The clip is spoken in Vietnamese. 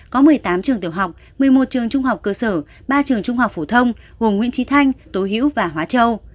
có một mươi tám trường tiểu học một mươi một trường trung học cơ sở ba trường trung học phổ thông gồm nguyễn trí thanh tố hữu và hóa châu